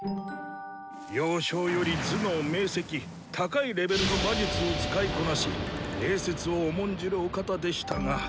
幼少より頭脳明せき高いレベルの魔術を使いこなし礼節を重んじるお方でしたが。